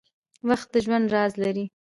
• وخت د ژوند راز لري.